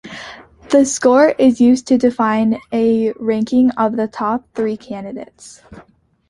The score is used to define a ranking of the top three candidates.